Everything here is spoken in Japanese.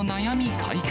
解決